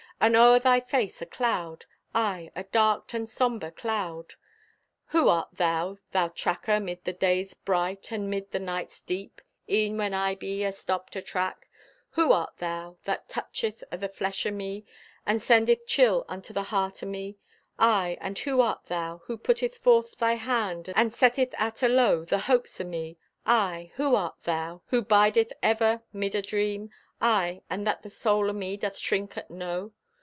And o'er thy face a cloud, Aye, a darked and somber cloud! Who art thou, Thou tracker 'mid the day's bright, And 'mid the night's deep; E'en when I be astopped o' track? Who art thou, That toucheth o' the flesh o' me, And sendeth chill unto the heart o' me? Aye, and who art thou, Who putteth forth thy hand And setteth at alow the hopes o' me? Aye, who art thou, Who bideth ever 'mid a dream? Aye, and that the soul o' me Doth shrink at know?